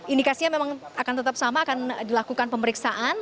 indikasinya memang akan tetap sama akan dilakukan pemeriksaan